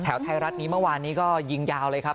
ไทยรัฐนี้เมื่อวานนี้ก็ยิงยาวเลยครับ